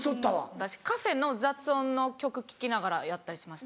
私カフェの雑音の曲聴きながらやったりしました。